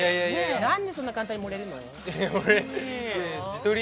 何でそんな簡単に盛れるの？